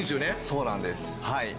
そうなんです。